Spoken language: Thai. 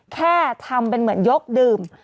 แค่ทำเป็นเหมือนยกดื่ม